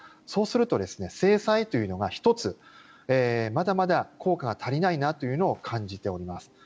そうすると、制裁というのが１つ、まだまだ効果が足りないなというのを感じております。